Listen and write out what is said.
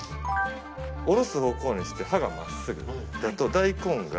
おろす方向にして刃が真っすぐだと大根が。